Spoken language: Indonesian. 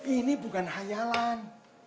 ini bukan hayalan